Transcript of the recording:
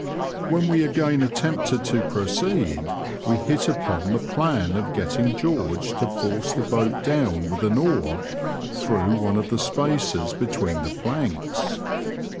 When we again attempted to proceed, we hit upon the plan of getting George to force the boat down with an oar through one of the spaces between the planks.